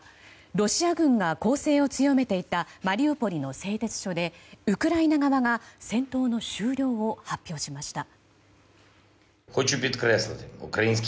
ロシア軍が攻勢を強めていたマリウポリの製鉄所でウクライナ側が戦闘の終了を発表しました。